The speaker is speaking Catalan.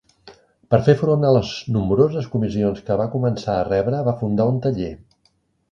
Per fer front a les nombroses comissions que va començar a rebre, va fundar un taller.